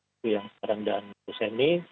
itu yang sekarang daan husseini